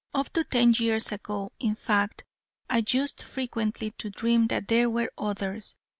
Up to ten years ago, in fact, I used frequently to dream that there were others.